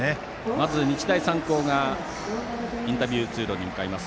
まず日大三高がインタビュー通路に向かいます。